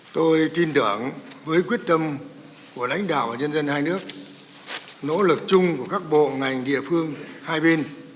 tôi tin tưởng với quyết tâm của lãnh đạo và nhân dân hai nước nỗ lực chung của các bộ ngành địa phương hai bên